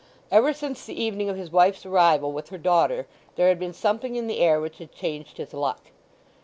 Ever since the evening of his wife's arrival with her daughter there had been something in the air which had changed his luck.